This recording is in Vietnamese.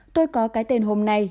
tôi có cái tên hôm nay